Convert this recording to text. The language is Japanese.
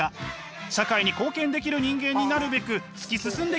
社会に貢献できる人間になるべく突き進んできました。